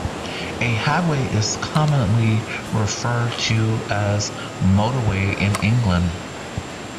A highway is commonly referred to as motorway in England.